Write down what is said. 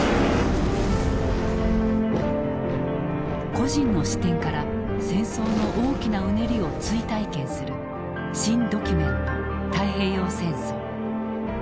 個人の視点から戦争の大きなうねりを追体験する「新・ドキュメント太平洋戦争」。